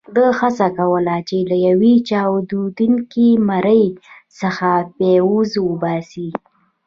ده هڅه کوله چې له یوې چاودېدونکې مرمۍ څخه فیوز وباسي.